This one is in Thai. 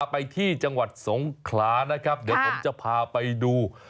ไปที่จังหวัดสงขลานะครับเดี๋ยวผมจะพาไปดู